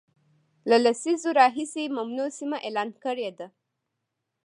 له لسیزو راهیسي ممنوع سیمه اعلان کړې ده